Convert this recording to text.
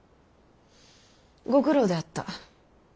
ご苦労であった。